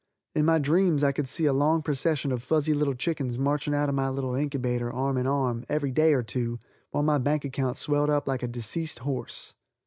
In my dreams I could see a long procession of fuzzy little chickens marching out of my little inkybater arm in arm, every day or two, while my bank account swelled up like a deceased horse.